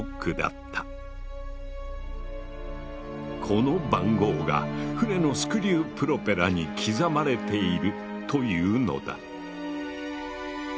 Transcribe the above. この番号が船のスクリュープロペラに刻まれているというのだ。